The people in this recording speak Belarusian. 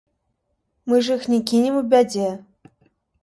Мы ж іх не кінем у бядзе?